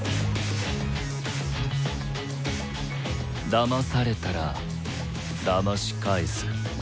だまされたらだましかえす。